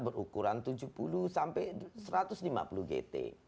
berukuran tujuh puluh sampai satu ratus lima puluh gt